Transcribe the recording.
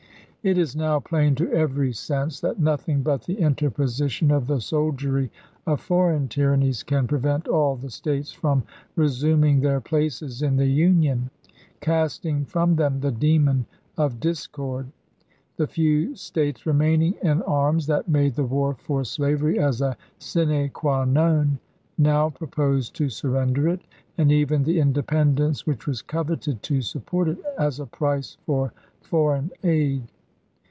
It is now plain to every sense that nothing but the inter position of the soldiery of foreign tyrannies can prevent all the States from resuming their places in the Union, casting from them the demon of dis cord. The few States remaining in arms that made the war for slavery as the sine qua non now pro pose to surrender it, and even the independence which was coveted to support it, as a price for foreign aid.